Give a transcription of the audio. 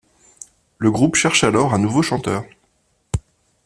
Le groupe cherche alors un nouveau chanteur.